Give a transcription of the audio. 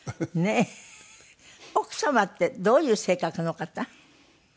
奥様ってどういう性格の方？